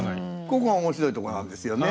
ここが面白いとこなんですよね。